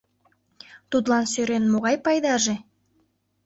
Тудлан сӧрен, могай пайдаже?